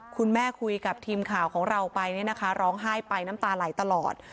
คุณแม่คุยกับทีมข่าวของเราไปร้องไห้ไปน้ำตาไหลตลอด